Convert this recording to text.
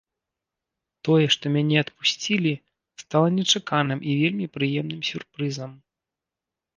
Тое, што мяне адпусцілі, стала нечаканым і вельмі прыемным сюрпрызам.